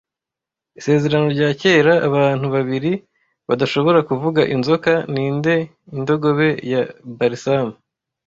Isezerano rya Kera abantu babiri badashobora kuvuga inzoka ninde Indogobe ya Balsam